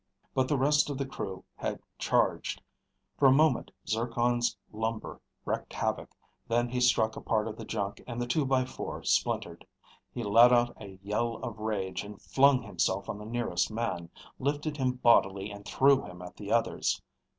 But the rest of the crew had charged. For a moment Zircon's lumber wreaked havoc, then he struck a part of the junk and the two by four splintered. He let out a yell of rage and flung himself on the nearest man, lifted him bodily and threw him at the others.